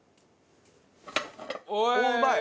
おおうまい！